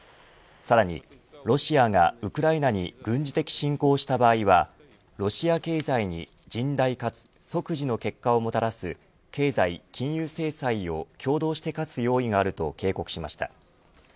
さらにロシアがウクライナに軍事的侵攻をした場合はロシア経済に甚大かつ即時の結果をもたらす経済・金融制裁を共同して科す用意があると警告しました。